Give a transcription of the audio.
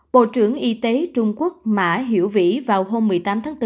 bộ trưởng y tế trung quốc mã hiểu vĩ vào hôm một mươi tám tháng bốn